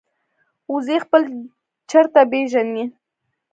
وزې خپل چرته پېژني